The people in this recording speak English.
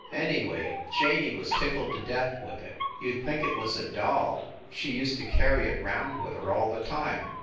Anyway, Janey was tickled to death with it. You d think it was a doll ; she used to carry it round with her all the time.